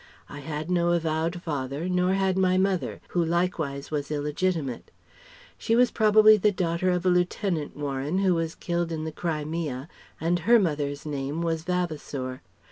I had no avowed father, nor had my mother, who likewise was illegitimate. She was probably the daughter of a Lieutenant Warren who was killed in the Crimea, and her mother's name was Vavasour.